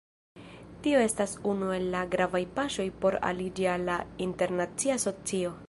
Tio estas unu el la gravaj paŝoj por aliĝi al la internacia socio.